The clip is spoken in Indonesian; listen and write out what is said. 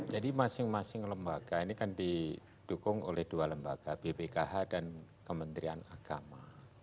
jadi masing masing lembaga ini kan didukung oleh dua lembaga bpkh dan kementerian agama